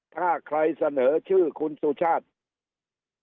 ถ้าใครเสนอชื่อคุณสุชาติ